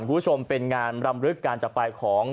คุณผู้ชมเป็นงานรำลึกการจักรไปของ